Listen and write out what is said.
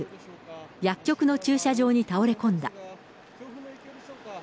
薬局の駐車場に倒れ込んだ。